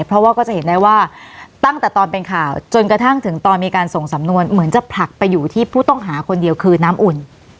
เพราะว่าก็จะเห็นได้ว่าตั้งแต่ตอนเป็นข่าวจนกระทั่งถึงตอนมีการส่งสำนวนเหมือนจะผลักไปอยู่ที่ผู้ต้องหาคนเดียวคือน้ำอุ่น